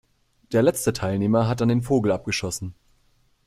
Der letzte Teilnehmer hat dann den Vogel abgeschossen.